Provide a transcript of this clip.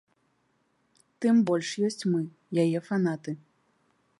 Тым больш ёсць мы, яе фанаты.